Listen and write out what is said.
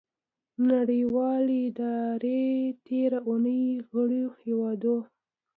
نړیوالې ادارې تیره اونۍ غړیو هیوادو